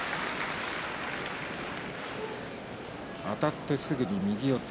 あたってすぐに右四つ。